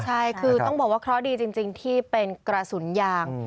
ใช่คือต้องบอกว่าเคราะห์ดีจริงที่เป็นกระสุนยาง